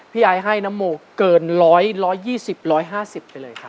พี่อายให้น้ำโมเกินร้อยร้อยยี่สิบร้อยห้าสิบไปเลยครับ